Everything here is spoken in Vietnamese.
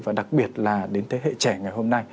và đặc biệt là đến thế hệ trẻ ngày hôm nay